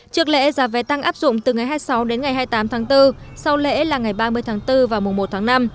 trước lễ giá vé tăng áp dụng từ ngày hai mươi sáu đến ngày hai mươi tám tháng bốn sau lễ là ngày ba mươi tháng bốn và mùa một tháng năm